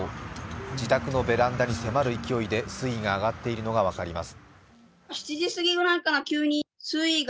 自宅のベランダに迫る勢いで水位が上っているのが分かります。